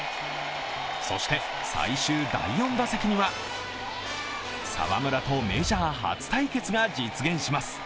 そして最終第４打席には澤村とメジャー初対決が実現します。